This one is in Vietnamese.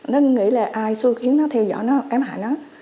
nó nghĩ là ai xui khiến nó theo dõi nó ém hại nó